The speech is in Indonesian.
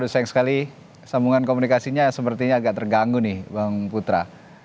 sayang sekali sambungan komunikasinya sepertinya agak terganggu nih bang putra